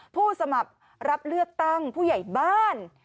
ผู้สมัครรับเลือกตั้งผู้ใหญ่บ้าน